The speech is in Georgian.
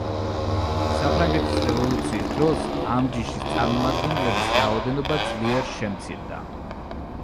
საფრანგეთის რევოლუციის დროს ამ ჯიშის წარმომადგენლების რაოდენობა ძლიერ შემცირდა.